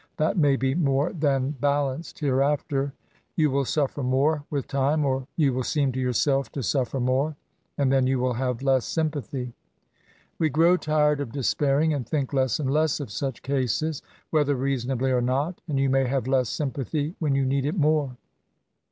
^^ That may be more Aaa balanced hereafter. Tou will suffer more, with time — or you will seem to yourself to suffer more; and then you will have less sympathy. We grow tired of despairing^ and think less and less of such oases, whether rieasonably or not; and you may have less sympathy when you need it more.